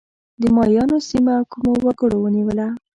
د مایایانو سیمه کومو وګړو ونیوله؟